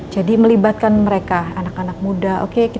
jadi melibatkan mereka anak anak muda